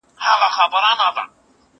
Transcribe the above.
زه له سهاره پاکوالي ساتم!